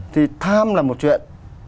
thì tham là một chuyện